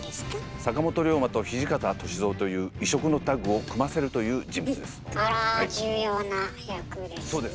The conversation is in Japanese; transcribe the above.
坂本龍馬と土方歳三という異色のタッグを組ませるという人物です。